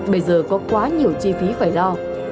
bây giờ có quá nhiều chi phí phải lo